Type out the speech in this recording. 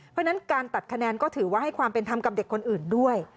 เพราะฉะนั้นการตัดคะแนนก็ถือว่าให้ความเป็นธรรมกับเด็กคนอื่นด้วย